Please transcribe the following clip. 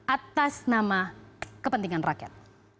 atas nama kepentingan rakyat